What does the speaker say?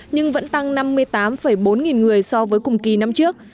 nhưng vẫn tăng năm mươi tám bốn nghìn người so với cùng kỳ năm trước